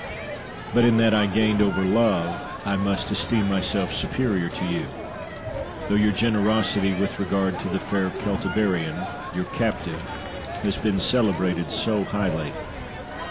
But in that I gained over love I must esteem myself superior to you, though your generosity with regard to the fair Celtiberian, your captive, has been celebrated so highly.